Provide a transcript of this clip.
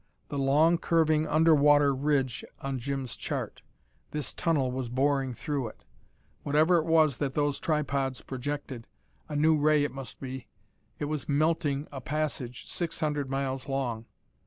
The long, curving under water ridge on Jim's chart this tunnel was boring through it. Whatever it was that those tripods projected a new ray it must be it was melting a passage six hundred miles long.